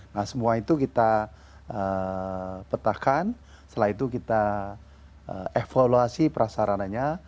nah semua itu kita petakan setelah itu kita evaluasi prasarananya